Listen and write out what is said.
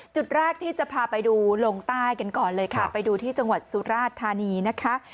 จุดแรกที่จะพาไปดูลงใต้กันก่อนเลยค่ะไปดูที่จังหวัดสุราชธานีนะคะ